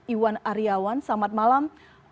iwan aryawan selamat malam